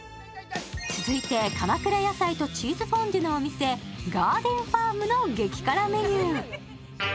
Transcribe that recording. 続いて、鎌倉野菜とチーズフォンデュのお店、ガーデンファームの激辛メニュー。